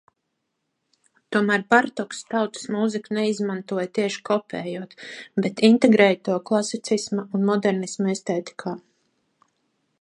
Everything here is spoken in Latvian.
Tomēr Bartoks tautas mūziku neizmantoja tieši kopējot, bet integrēja to klasicisma un modernisma estētikā.